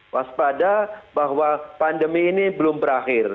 waspada bahwa pandemi ini belum berakhir